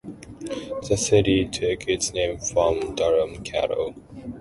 The city took its name from Durham cattle.